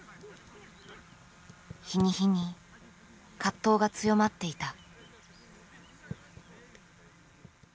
日に日に葛藤が強まっていた。